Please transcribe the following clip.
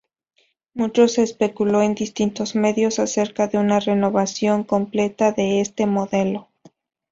Mucho se especuló en distintos medios acerca de una renovación completa de este modelo.